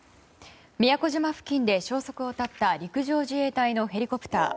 宮古島付近で消息を絶った陸上自衛隊のヘリコプター。